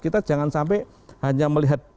kita jangan sampai hanya melihat